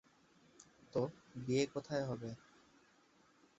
তো, বিয়ে কোথায় হবে?